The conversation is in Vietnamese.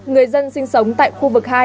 người dân sinh sống tại khu vực hai